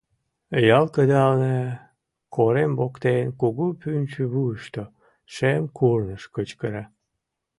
Ял кыдалне, корем воктен, кугу пӱнчӧ вуйышто, шем курныж кычкыра.